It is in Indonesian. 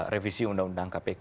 revisi undang undang kpk